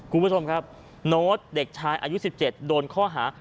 คุณผู้ชมครับโน้ตเด็กชายอายุ๑๗โดนข้อหา